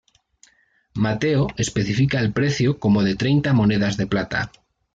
Mateo especifica el precio como de treinta monedas de plata.